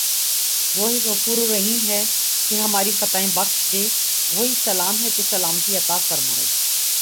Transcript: وہی غفورالرحیم ہے کہ ہماری خطائیں بخش دے وہی سلام ہے کہ سلامتی عطافرمائے